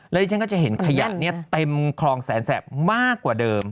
แล้วที่ฉันก็จะเห็นขยะเต็มคลองแสนแสบมากกว่าเดิม